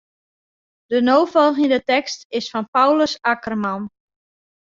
De no folgjende tekst is fan Paulus Akkerman.